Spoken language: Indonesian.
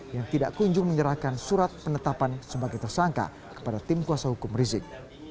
yang tidak kunjung menyerahkan surat penetapan sebagai tersangka kepada tim kuasa hukum rizik